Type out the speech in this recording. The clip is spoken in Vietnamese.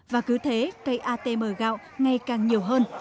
và cứ thế cây atm gạo ngày càng nhiều hơn